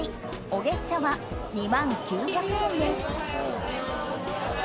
お月謝は２万９００円です。